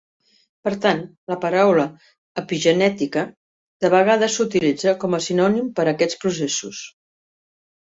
Per tant, la paraula "epigenètica" de vegades s'utilitza com a sinònim per a aquests processos.